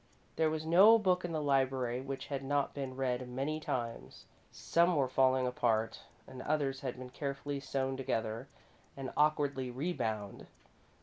There was no book in the library which had not been read many times. Some were falling apart, and others had been carefully sewn together and awkwardly rebound.